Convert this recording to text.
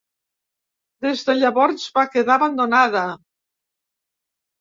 Des de llavors va quedar abandonada.